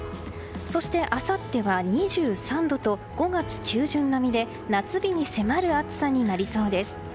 そして、あさっては２３度と５月中旬並みで夏日に迫る暑さになりそうです。